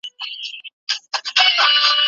تل راسره ملتيا کوئ.